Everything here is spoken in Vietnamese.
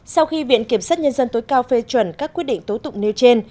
sau khi viện kiểm sát nhân dân tối cao phê chuẩn các quyết định tố tụng nêu trên